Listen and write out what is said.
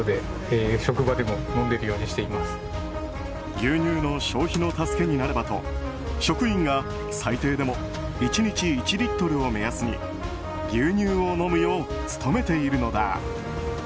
牛乳の消費の助けになればと職員が最低でも１日１リットルを目安に牛乳を飲むよう努めているのだ。